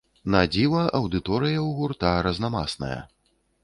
Надзіва, аўдыторыя ў гурта разнамасная.